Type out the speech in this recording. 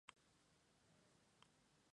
Estuvo casado con Carmen Alcaraz Salvador.